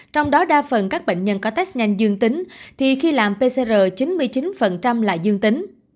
trong đó đa phần các bệnh nhân có test nhanh dương tính thì khi làm pcr chín mươi chín là dương tính